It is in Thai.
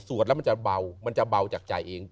แล้วมันจะเบามันจะเบาจากใจเอง